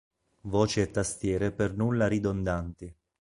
Voci e tastiere per nulla ridondanti.